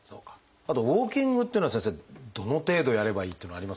あとウォーキングっていうのは先生どの程度やればいいっていうのはありますか？